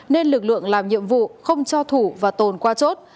nên lực lượng làm nhiệm vụ không cho thủ và tồn qua chốt